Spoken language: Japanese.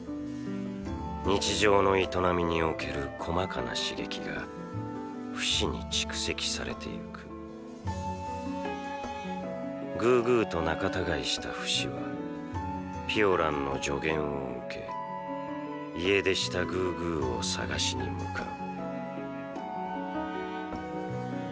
日常の営みにおける細かな刺激がフシに蓄積されていくグーグーと仲たがいしたフシはピオランの助言を受け家出したグーグーを捜しに向かう